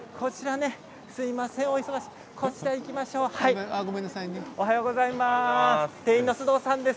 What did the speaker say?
おはようございます。